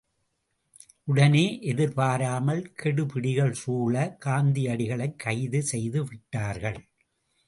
உடனே எதிர்பாராமல் கெடுபிடிகள் சூழ காந்தியடிகளைக் கைது செய்து விட்டார்கள்.